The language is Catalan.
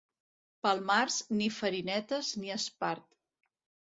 Pel març, ni farinetes ni espart.